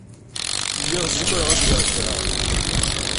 Lliɣ zemreɣ ad geɣ kra.